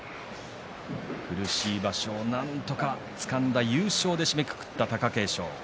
苦しい場所をなんとかつかんだ優勝で締めくくった貴景勝。